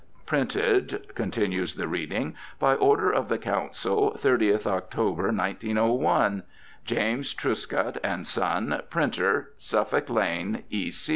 "Printed" (continues the reading) "by order of the Council, 30th, October, 1901. Jas. Truscott and Son, Printer, Suffolk Lane, E.